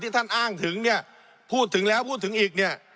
ท่านอ้างถึงเนี่ยพูดถึงแล้วพูดถึงอีกเนี่ย